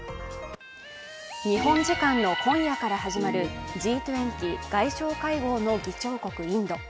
日本時間の今夜から始まるＧ２０外相会合の議長国、インド。